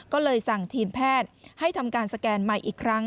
ก็เลยสั่งทีมแพทย์ให้ทำการสแกนใหม่อีกครั้ง